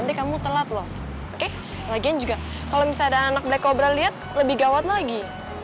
oke lagian juga kalau misalnya ada anak black cobra liat lebih gawat lagi